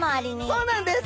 そうなんです。